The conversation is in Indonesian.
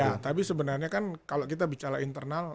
ya tapi sebenarnya kan kalau kita bicara internal